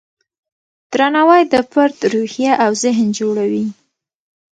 درناوی د فرد روحیه او ذهن جوړوي.